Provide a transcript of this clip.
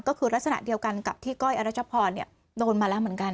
ก็คือลักษณะเดียวกันกับที่ก้อยอรัชพรโดนมาแล้วเหมือนกัน